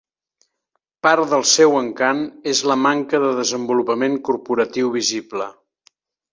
Part del seu encant és la manca de desenvolupament corporatiu visible.